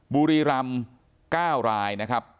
บุรีรำ๙ราย